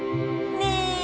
ねえ！